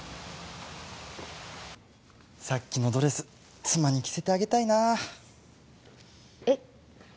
さっきのドレス妻に着せてあげたいなあえっ